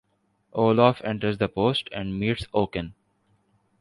Olaf enters the Post and meets Oaken.